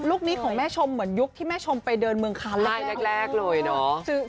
คนี้ของแม่ชมเหมือนยุคที่แม่ชมไปเดินเมืองคาไล่แรกเลยเนาะ